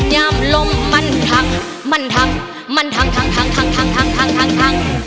แย่มลมมันทังมันทังมันทังทังทังทังทังทังทังทังทัง